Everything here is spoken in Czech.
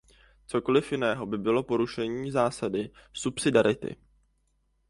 Cokoli jiného by bylo porušením zásady subsidiarity.